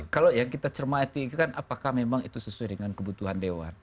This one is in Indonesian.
kalau yang kita cermati kan apakah memang itu sesuai dengan kebutuhan dewan